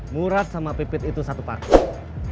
murat sama pipit itu satu paket